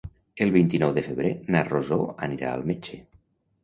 El vint-i-nou de febrer na Rosó anirà al metge.